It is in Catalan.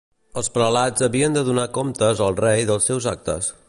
Els prelats havien de donar comptes al Rei dels seus actes.